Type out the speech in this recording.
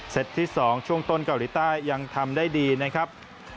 ที่๒ช่วงต้นเกาหลีใต้ยังทำได้ดีนะครับ